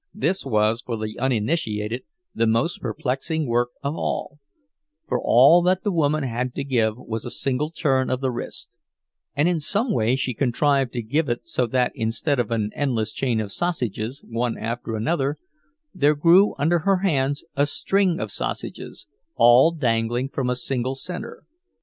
This was for the uninitiated the most perplexing work of all; for all that the woman had to give was a single turn of the wrist; and in some way she contrived to give it so that instead of an endless chain of sausages, one after another, there grew under her hands a bunch of strings, all dangling from a single center.